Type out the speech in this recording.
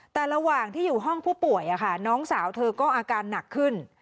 แต่ระหว่างที่อยู่ห้องผู้ป่วยน้องสาวเธอก็อาการหนักขึ้น